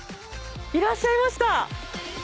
いらっしゃいました。